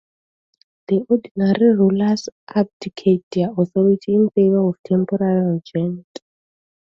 The ordinary rulers abdicate their authority in favor of a temporary regent.